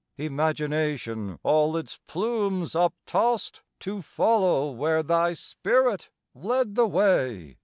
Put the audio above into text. Imagination all its plumes uptost To follow where thy spirit led the way!